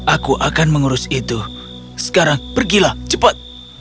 aku akan mengurus itu sekarang pergilah cepat